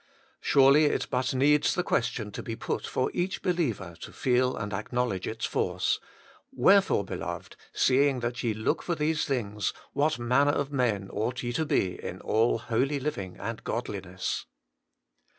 Surely it but needs the question to be put for each believer to feel and acknowledge its force :' Wherefore, beloved, seeing that ye look for these things, what manner of men ought ye to be in all holy living and godliness